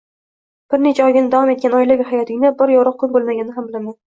Bir necha oygina davom etgan oilaviy hayotingda bir yorug` kun bo`lmaganini ham bilaman